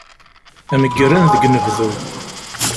Meggren deg unebdu.